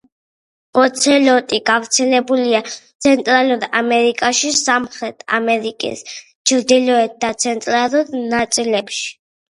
ოცელოტი გავრცელებულია ცენტრალურ ამერიკაში, სამხრეთ ამერიკის ჩრდილოეთ და ცენტრალურ ნაწილებში.